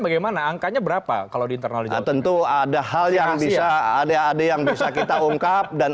bagaimana angkanya berapa kalau di internal tentu ada hal yang bisa ada yang bisa kita ungkap dan